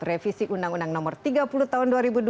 revisi undang undang nomor tiga puluh tahun dua ribu dua